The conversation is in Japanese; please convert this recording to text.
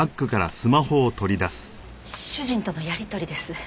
主人とのやりとりです。